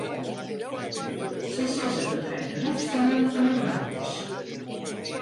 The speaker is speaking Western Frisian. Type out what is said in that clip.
Se sizze dat hy de rykste man fan it doarp is.